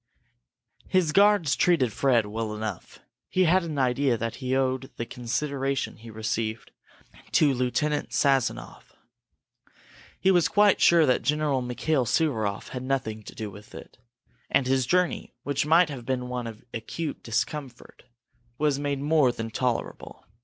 His guards treated Fred well enough. He had an idea that he owed the consideration he received to Lieutenant Sazonoff. He was quite sure that General Mikail Suvaroff had nothing to do with it! And his journey, which might have been one of acute discomfort, was made more than tolerable.